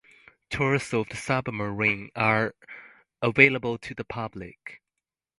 Tours of the submarine are available to the public.